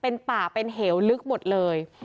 เป็นป่าเป็นเหวลึกหมดเลย